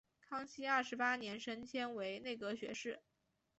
康熙二十八年升迁为内阁学士。